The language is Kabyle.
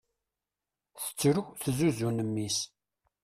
Tettru tezzuzzun mmi-s.